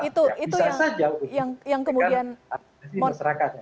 bisa saja untuk mengatasi masyarakatnya